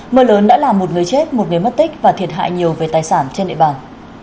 mưa lớn đã làm một người chết một người mất tích và thiệt hại nhiều về tài sản trên địa bàn